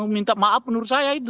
minta maaf menurut saya itu